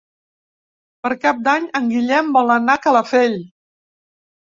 Per Cap d'Any en Guillem vol anar a Calafell.